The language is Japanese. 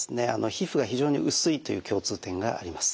皮膚が非常に薄いという共通点があります。